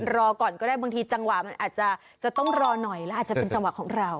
รอก่อนก็ได้บางทีจังหวะมันอาจจะต้องรอหน่อยแล้วอาจจะเป็นจังหวะของเรา